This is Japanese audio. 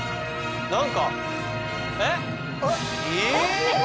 何かえっ？え！